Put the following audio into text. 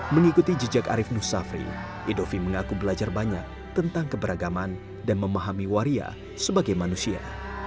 mengikuti jejak arief nusafri edovi mengaku belajar banyak tentang keberagaman dan memahami waria sebagai manusia